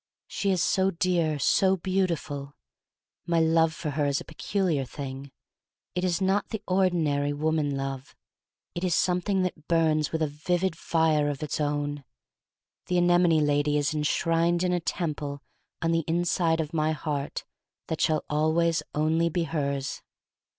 She is so dear — so beautiful! My love for her is a peculiar thing. It is not the ordinary woman love. It is something that burns with a vivid fire of its own. The anemone lady is enshrined in a temple on the inside of my heart that shall always only be hers.